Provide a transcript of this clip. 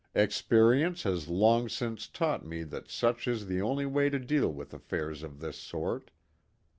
Experience has long since taught me that such is the only way to deal with affairs of this sort.